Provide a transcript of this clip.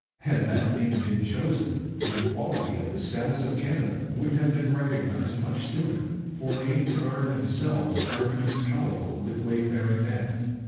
Had that name been chosen, the equality of the status of Canada would have been recognized much sooner, for names are themselves arguments powerful with wayfaring men.